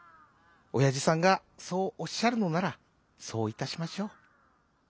おやじさんがそうおっしゃるのならそういたしましょう」。